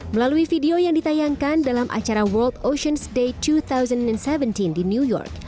melalui video yang ditayangkan dalam acara world oceans day dua ribu tujuh belas di new york